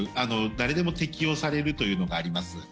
誰でも適用されるというのがあります。